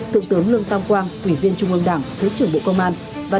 thượng tướng lương tam quang quỷ viên trung ương đảng thứ trưởng bộ công an nhân dân lào